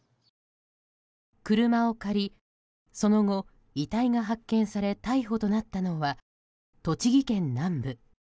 車を借り、その後遺体が発見され逮捕となったのは栃木県南部。